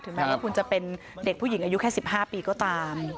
แม้ว่าคุณจะเป็นเด็กผู้หญิงอายุแค่๑๕ปีก็ตาม